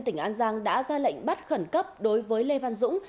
tỉnh an giang đã ra lệnh bắt khẩn cấp đối với lê văn dũng